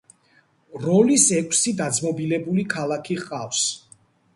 როლის ექვსი დაძმობილებული ქალაქი ჰყავს.